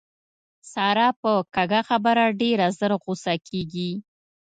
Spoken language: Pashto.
ساره په کږه خبره ډېره زر غوسه کېږي.